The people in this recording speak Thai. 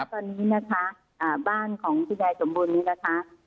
ตอนนี้นะคะบ้านของคุณยายสมบูรณนี้นะคะ